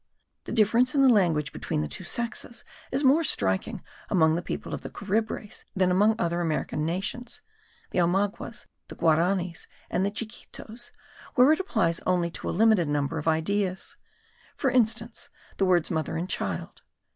The difference in the language of the two sexes is more striking among the people of the Carib race than among other American nations (the Omaguas, the Guaranis, and the Chiquitos) where it applies only to a limited number of ideas; for instance, the words mother and child.